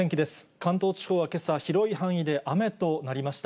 関東地方はけさ、広い範囲で雨となりました。